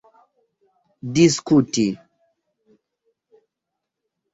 diskuti